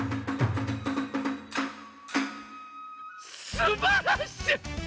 すばらしい！